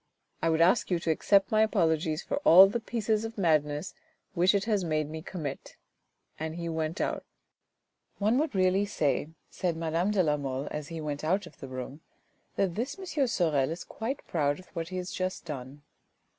I would ask you to accept my apologies for all the pieces of madness which it has made me commit." And he went out. " One would really say," said madame de la Mole, as he went out of the room, " that this M. Sorel is quite proud of what he has just done."